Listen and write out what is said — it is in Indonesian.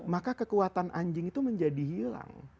maka kekuatan anjing itu menjadi hilang